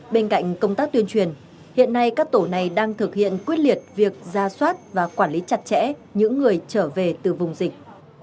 bên cạnh công tác tuyên truyền hiện nay các tổ này đang thực hiện quyết liệt việc ra soát và quản lý chặt chẽ những người trở về từ vùng dịch